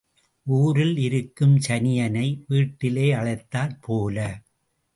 ஊரில் இருக்கும் சனியனை வீட்டிலே அழைத்தாற் போல.